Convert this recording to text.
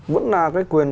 vẫn là cái quyền